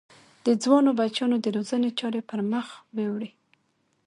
د ځوانو بچیانو د روزنې چارې پر مخ ویوړې.